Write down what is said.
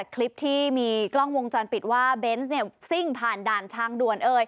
คลิปที่มีกล้องวงจรปิดว่าเบนส์เนี่ยซิ่งผ่านด่านทางด่วนเอ่ย